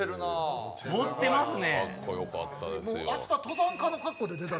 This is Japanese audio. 持ってますね。